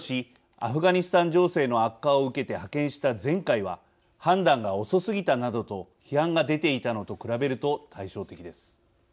アフガニスタン情勢の悪化を受けて派遣した前回は判断が遅すぎたなどと批判が出ていたのと比べると対照的です。